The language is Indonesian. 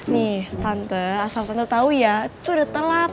nih tante asal tante tau ya tuh udah telat